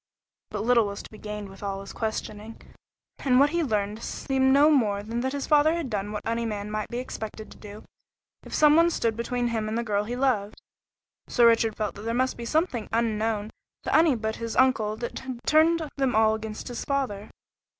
But little was to be gained with all his questioning, and what he could learn seemed no more than that his father had done what any man might be expected to do if some one stood between him and the girl he loved; so Richard felt that there must be something unknown to any one but his uncle that had turned them all against his father.